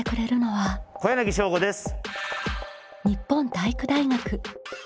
小柳将吾です。